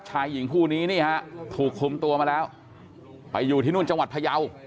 ชายหญิงคู่นี้นี่ฮะถูกคุมตัวมาแล้วไปอยู่ที่นู่นจังหวัดพยาว